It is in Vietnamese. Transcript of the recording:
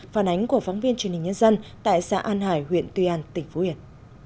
phản ánh của phóng viên truyền hình nhân dân tại xã an hải huyện tuy an tỉnh phú yên